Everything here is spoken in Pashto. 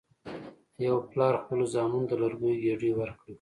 یو پلار خپلو زامنو ته د لرګیو ګېډۍ ورکړه.